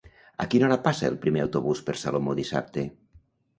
A quina hora passa el primer autobús per Salomó dissabte?